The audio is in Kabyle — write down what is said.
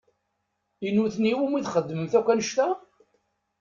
I nutni i wumi txedmemt akk annect-a?